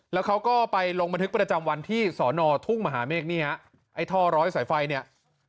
แล้วเขาก็ไปลงบันทึกประจำวันที่สอนอทุ่งมหาเมฆนี่ฮะไอ้ท่อร้อยสายไฟเนี่ย